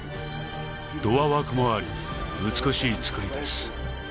ドア枠もあり美しい造りです